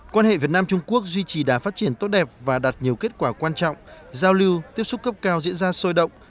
quan hệ việt nam trung quốc duy trì đá phát triển tốt đẹp và đạt nhiều kết quả quan trọng giao lưu tiếp xúc cấp cao diễn ra sôi động